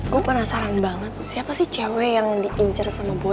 gue penasaran banget siapa sih cewek yang diincar sama gue